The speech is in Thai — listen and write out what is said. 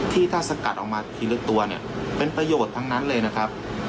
ที่ถ้าสกัดออกมาทีละตัวเนี่ยเป็นประโยชน์ทั้งนั้นเลยนะครับ